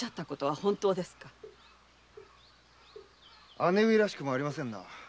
姉上らしくありませんな。